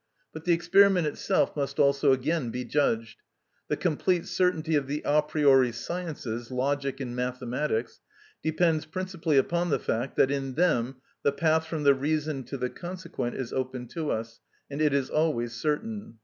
But the experiment itself must also again be judged. The complete certainty of the a priori sciences, logic and mathematics, depends principally upon the fact that in them the path from the reason to the consequent is open to us, and it is always certain.